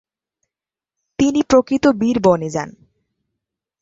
তিনি প্রকৃত বীর বনে যান।